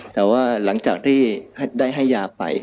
แต่ว่าหลังจากที่ได้ให้ยาไป